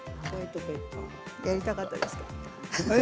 やりたかったですか？